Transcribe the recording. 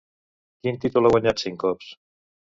Quin títol ha guanyat cinc cops?